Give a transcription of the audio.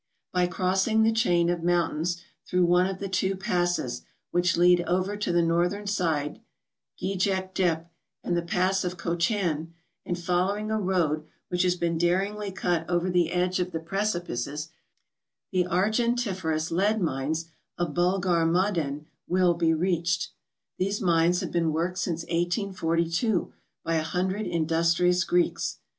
By crossing the chain of mountains through one of the two passes which lead over to the northern side, Geje^k Deppe and the pass of Kochan, and following a road which has been daringly cut over the edge of the precipices, the argentiferous lead mines of Bulg har Maaden will be reached. These mines have been worked since 1842 by a hundred industrious Greeks.